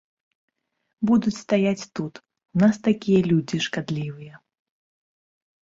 Будуць стаяць тут, у нас такія людзі шкадлівыя.